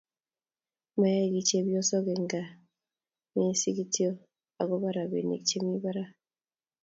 mayae kiy chpyosok eng kaa meesi kityo akobo rapinik che mii barak